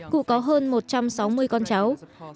cụ có hơn một trăm sáu mươi con cháu